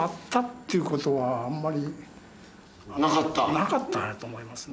なかったんやと思いますね。